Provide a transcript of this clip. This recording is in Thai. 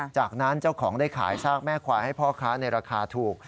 จากนั้นเจ้าของได้ขายซากแม่ควายให้พ่อค้าในราคาถูก